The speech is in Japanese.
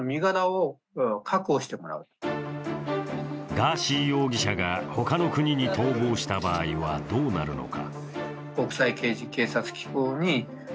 ガーシー容疑者が他の国に逃亡した場合はどうなるのか。